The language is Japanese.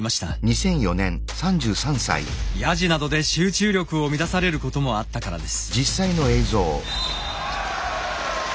ヤジなどで集中力を乱されることもあったからです。